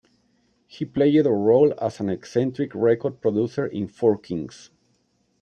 He played a role as an eccentric record producer in "Four Kings".